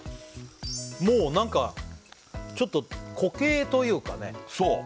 もうなんかちょっと固形というかねそう！